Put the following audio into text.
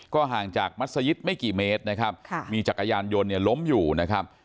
ห่างจากมัศยิตไม่กี่เมตรนะครับมีจักรยานยนต์เนี่ยล้มอยู่นะครับ